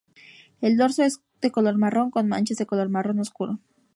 El dorso es de color marrón con manchas de color marrón oscuro.